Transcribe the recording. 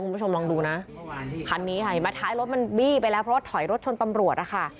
คุณผู้ชมลองดูนะคันนี้ค่ะเห็นไหมท้ายรถมันบี้ไปแล้วเพราะว่าถอยรถชนตำรวจนะคะ